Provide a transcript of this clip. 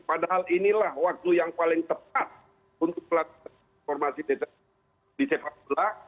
padahal inilah waktu yang paling tepat untuk melakukan formasi di sepak bola